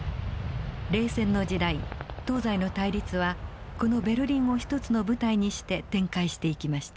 冷戦の時代東西の対立はこのベルリンを一つの舞台にして展開していきました。